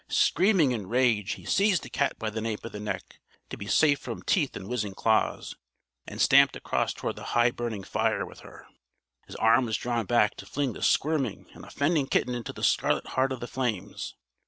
Screaming in rage he seized the cat by the nape of the neck to be safe from teeth and whizzing claws and stamped across toward the high burning fire with her. His arm was drawn back to fling the squirming and offending kitten into the scarlet heart of the flames.